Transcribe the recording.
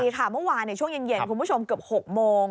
เมื่อวานในช่วงเย็นคุณผู้ชมเกือบ๖โมง